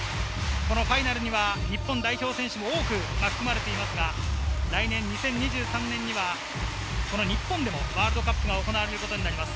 ファイナルには日本代表選手も多く含まれていますが、来年、２０２３年にはこの日本でもワールドカップが行われることになります。